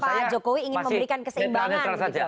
pak jokowi ingin memberikan keseimbangan